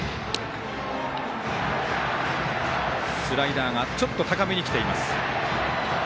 スライダーがちょっと高めにきています。